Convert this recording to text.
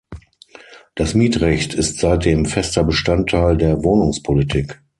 Das Mietrecht ist seitdem fester Bestandteil der Wohnungspolitik.